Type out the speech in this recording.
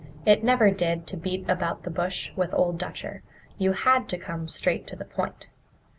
It never did to beat about the bush with Old Dutcher; you had to come straight to the point.